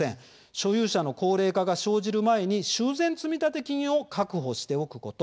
所有者の高齢化が生じる前に修繕積立金を確保しておくこと。